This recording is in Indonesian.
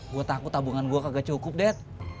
gue takut tabungan gue kagak cukup dek